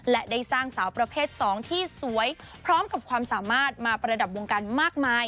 และได้สร้างสาวประเภท๒ที่สวยพร้อมกับความสามารถมาประดับวงการมากมาย